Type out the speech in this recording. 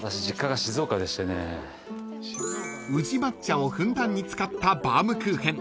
［宇治抹茶をふんだんに使ったバームクーヘン］